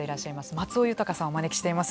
松尾豊さんをお招きしています。